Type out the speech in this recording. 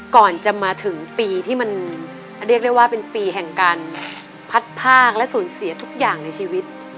ก่อนจะมาถึงปีที่มันเรียกได้ว่าเป็นปีแห่งการพัดภาคและสูญเสียทุกอย่างในชีวิต